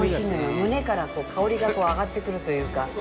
胸から香りが上がってくるというか。